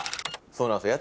そうなんですよ